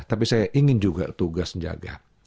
tapi saya ingin juga tugas jaga